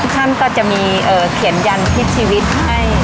ท่านก็จะมีเขียนยันคิดชีวิตให้